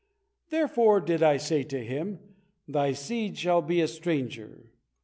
Therefore did I say to him, 'Thy seed shall be a stranger.'